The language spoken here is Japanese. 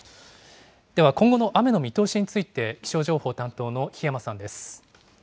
では、今後の雨の見通しについて、気象情報担当の檜山さんです。